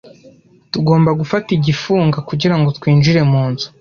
Tugomba gufata igifunga kugirango twinjire munzu